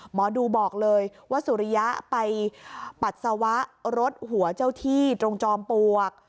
หมอดูบอกเลยว่าสุริยะไปปัสสาวะรถหัวเจ้าที่ตรงจอมปลวก